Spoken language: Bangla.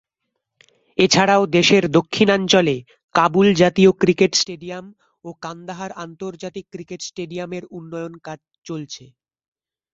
এছাড়াও দেশের দক্ষিণাঞ্চলে কাবুল জাতীয় ক্রিকেট স্টেডিয়াম ও কান্দাহার আন্তর্জাতিক ক্রিকেট স্টেডিয়াম এর উন্নয়ন কাজ চলছে।